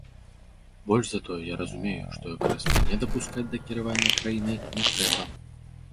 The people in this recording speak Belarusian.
Больш за тое, я разумею, што якраз мяне дапускаць да кіравання краінай не трэба.